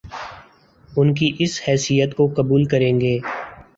ان کی اس حیثیت کو قبول کریں گے